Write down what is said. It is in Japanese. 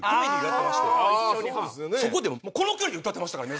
そこでこの距離で歌ってましたから宮迫さん。